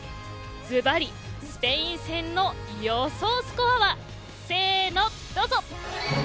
ずばり、スペイン戦の予想スコアは。せーの、どうぞ。